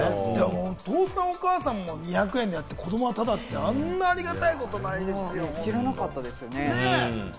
お父さん、お母さん、２００円でやって、子供タダってあんなありがたいことないですよね。